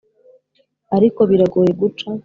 ariko biragoye guca